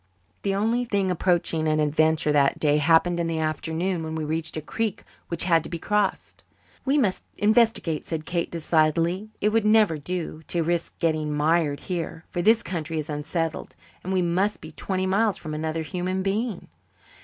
The only thing approaching an adventure that day happened in the afternoon when we reached a creek which had to be crossed. "We must investigate," said Kate decidedly. "It would never do to risk getting mired here, for this country is unsettled and we must be twenty miles from another human being."